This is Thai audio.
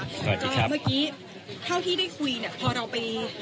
สวัสดีครับ